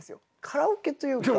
カラオケというか。